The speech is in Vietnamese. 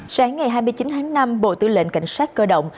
sáng ngày hai mươi chín tháng năm bộ tư lệnh cảnh sát cơ động